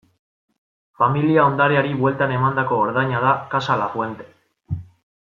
Familia ondareari bueltan emandako ordaina da Casa Lafuente.